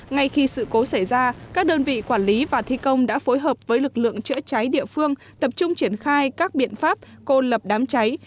ngay khi sự cố xảy ra các đơn vị quản lý và thi công đã phối hợp với lực lượng chữa cháy địa phương tập trung triển khai các biện pháp cô lập đám cháy